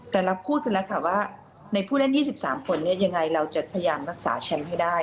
แต่เราพูดกันแล้วค่ะว่าในผู้เล่น๒๓คนเนี่ยยังไงเราจะพยายามรักษาแชมป์ให้ได้